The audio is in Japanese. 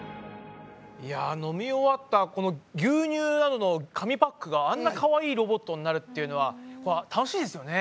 いや飲み終わったこの牛乳などの紙パックがあんなかわいいロボットになるっていうのは楽しいですよね！